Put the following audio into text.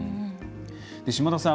島田さん